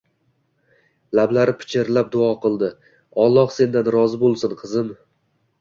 Lablari pichirlab duo qildi: «Alloh sendan rozi bo'lsin, qizim!»